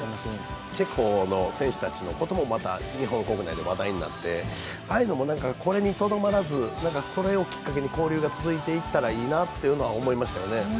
チェコの選手たちのこともまた日本国内で話題になってああいうのもこれにとどまらず、それをきっかけに交流が続いていったらいいなというのは思いましたよね。